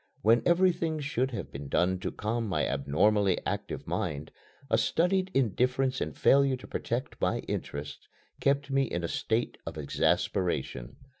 When everything should have been done to calm my abnormally active mind, a studied indifference and failure to protect my interests kept me in a state of exasperation.